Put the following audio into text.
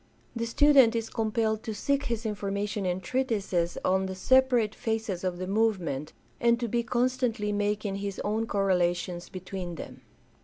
The student is compelled to seek his information in treatises on the separate phases of the movement, and to be constantly making his own correlations between them.